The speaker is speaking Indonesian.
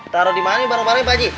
taruh dimana barang barangnya pak haji